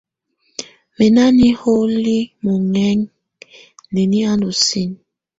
Mǝ na niholi mɔŋɛŋa, neni ɔ ndɔ sinǝ?